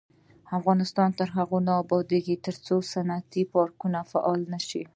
افغانستان تر هغو نه ابادیږي، ترڅو صنعتي پارکونه فعال نشي.